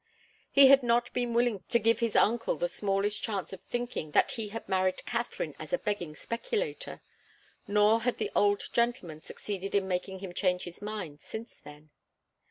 He had not been willing to give his uncle the smallest chance of thinking that he had married Katharine as a begging speculator, nor had the old gentleman succeeded in making him change his mind since then.